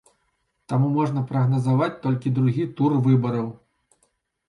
Таму можна прагназаваць толькі другі тур выбараў.